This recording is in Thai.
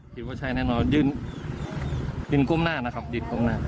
ว่าใช่แน่นอนยืนยืนก้มหน้านะครับยืนก้มหน้า